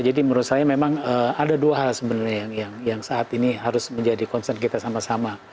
jadi menurut saya memang ada dua hal sebenarnya yang saat ini harus menjadi concern kita sama sama